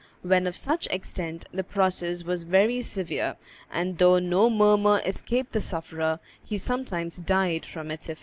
When of such extent, the process was very severe; and though no murmur escaped the sufferer, he sometimes died from its effects.